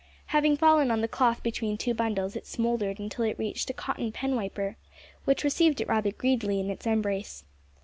Having fallen on the cloth between two bundles, it smouldered until it reached a cotton pen wiper, which received it rather greedily in its embrace.